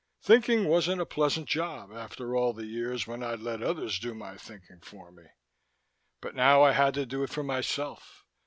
Thinking wasn't a pleasant job, after all the years when I'd let others do my thinking for me. But now I had to do it for myself.